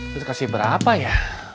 terus kasih berapa ya